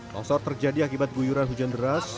longsor terjadi akibat guyuran hujan deras